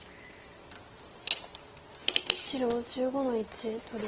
白１５の一取り。